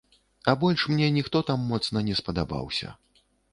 А больш мне ніхто там моцна не спадабаўся.